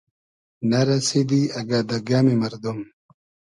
نۂ رئسیدی اگۂ دۂ گئمی مئردوم